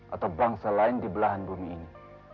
atau bangsa lain di belahan bumi ini